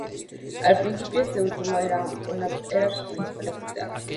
Al principio, este último era su principal actividad.